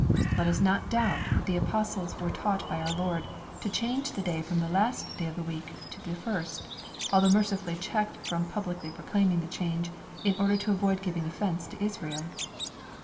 Let us not doubt that the Apostles were taught by our Lord to change the day from the last day of the week to the firs t,al t hough mercifully checked from publicly proclaiming the change, in order to avoid giving offence to Israel.